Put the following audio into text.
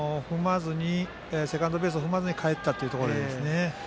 セカンドベースを踏まずに帰ったというところですね。